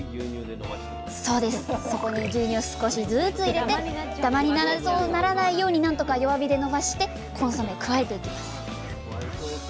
そこに牛乳を少しずつ入れてだまにならないように何とか弱火でのばしてコンソメを加えていきます。